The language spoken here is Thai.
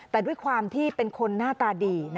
แต่ด้วยความที่เป็นคนหน้าตาดี